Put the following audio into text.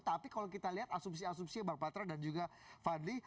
tapi kalau kita lihat asumsi asumsi bang patra dan juga fadli